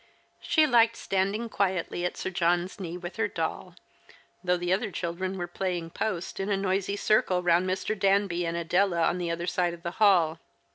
She liked standing quietly at Sir John's knee with her doll, though the other children were playing Post in a The Christmas Hirelings. 157 noisy circle round Mr. Danby and Adela on the other side of the hall.